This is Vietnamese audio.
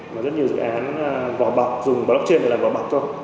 mà rất nhiều dự án vỏ bọc dùng blockchain để làm vỏ bọc thôi